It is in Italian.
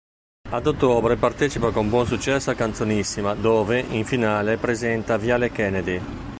Ad ottobre partecipa con buon successo a Canzonissima dove, in finale, presenta "Viale Kennedy".